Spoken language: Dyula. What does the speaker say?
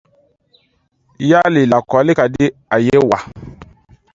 Yala lakɔli ka di a ye wa?